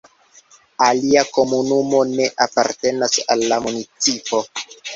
Alia komunumo ne apartenas al la municipo.